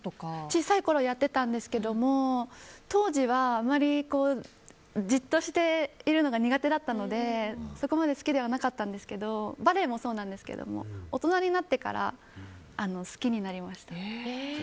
小さいころにやってたんですけども当時はあまりじっとしているのが苦手だったのでそこまで好きではなかったんですけどバレエもそうなんですけれども大人になってから好きになりました。